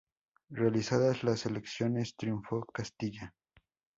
Realizadas las elecciones, triunfó Castilla.